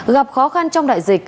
gặp khó khăn trong đại dịch